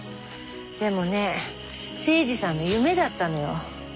でもね精二さんの夢だったのよ。